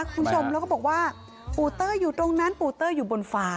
คุณผู้ชมแล้วก็บอกว่าปูเต้ยอยู่ตรงนั้นปูเต้ยอยู่บนฟ้า